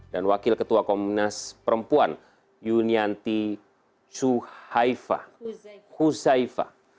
dan wakil ketua komunis perempuan yunianti cuhaiwa